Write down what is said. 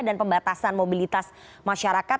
dan pembatasan mobilitas masyarakat